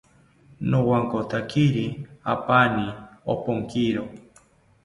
Nowakotakiri apani ompokiro